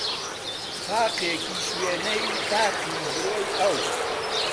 تاقێکیش وێنەی تاقی برۆی ئەو